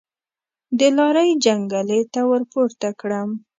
د لارۍ جنګلې ته ورپورته کړم.